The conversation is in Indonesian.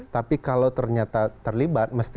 tapi kalau ternyata terlibat